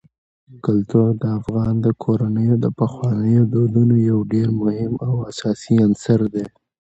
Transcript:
کلتور د افغان کورنیو د پخوانیو دودونو یو ډېر مهم او اساسي عنصر دی.